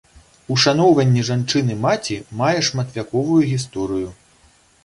Ушаноўванне жанчыны-маці мае шматвяковую гісторыю.